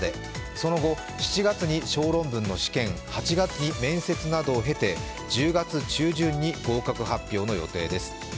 その後、７月に小論文の試験、８月に面接などを経て、１０月中旬に合格発表の予定です。